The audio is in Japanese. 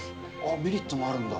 メリットもあるんだ。